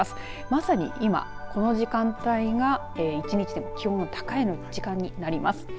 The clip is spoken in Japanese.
まさに今、この時間帯が一日でも気温が高い時間になります。